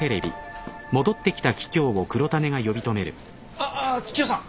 あっあっ桔梗さん。